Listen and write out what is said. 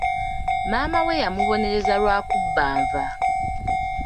Maama we yamubonereza lwa kubba nva.